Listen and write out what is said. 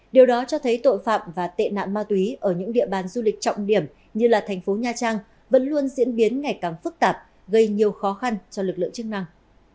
điều đó cho thấy tội phạm và tệ nạn ma túy ở những địa bàn du lịch trọng điểm như là thành phố nha trang vẫn luôn diễn biến ngày càng phức tạp gây nhiều khó khăn cho lực lượng chức năng